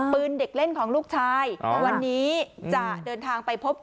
ปืนเด็กเล่นของลูกชายวันนี้จะเดินทางไปพบ